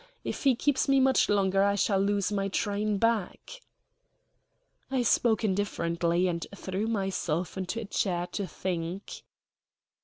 If he keeps me much longer I shall lose my train back." I spoke indifferently, and threw myself into a chair to think.